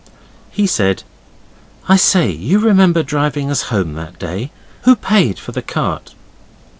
He said 'I say, you remember driving us home that day. Who paid for the cart?